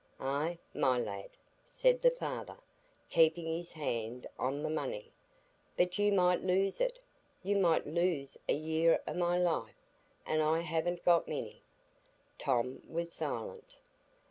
"Ay, my lad," said the father, keeping his hand on the money, "but you might lose it,—you might lose a year o' my life,—and I haven't got many." Tom was silent.